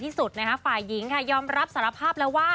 ถามกับฝ่ายหญิงค่ะย่อมรับสารภาพแล้วว่า